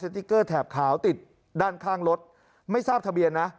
ติ๊กเกอร์แถบขาวติดด้านข้างรถไม่ทราบทะเบียนนะ